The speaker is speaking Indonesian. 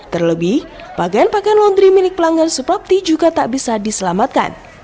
terlebih pakaian pakaian laundry milik pelanggan suprapti juga tak bisa diselamatkan